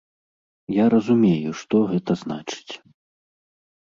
Я разумею, што гэта значыць.